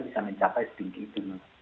bisa mencapai sedikit